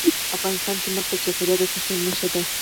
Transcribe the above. افغانستان کې نفت د چاپېریال د تغیر نښه ده.